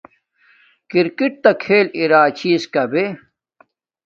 کرکٹ تݳ کھݵل اِرِݵ چءݳئݺ کبݺ؟